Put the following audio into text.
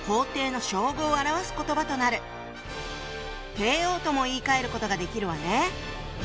「帝王」とも言いかえることができるわね。